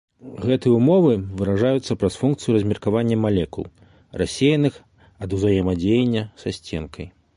Гэтыя ўмовы выражаюцца праз функцыю размеркавання малекул, рассеяных ад узаемадзеяння са сценкай.